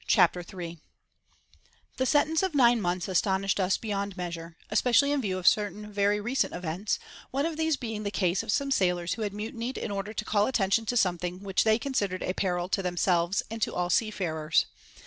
CHAPTER III The sentence of nine months astonished us beyond measure, especially in view of certain very recent events, one of these being the case of some sailors who had mutinied in order to call attention to something which they considered a peril to themselves and to all seafarers.